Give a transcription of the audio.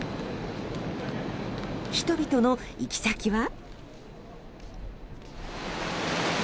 人々の行き先は。